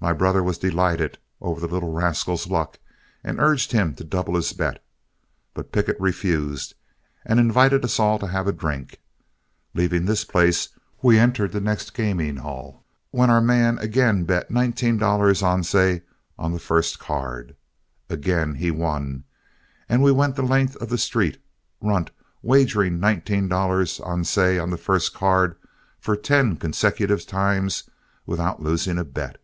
My brother was delighted over the little rascal's luck, and urged him to double his bet, but Pickett refused and invited us all to have a drink. Leaving this place, we entered the next gaming hall, when our man again bet nineteen dollars alce on the first card. Again he won, and we went the length of the street, Runt wagering nineteen dollars alce on the first card for ten consecutive times without losing a bet.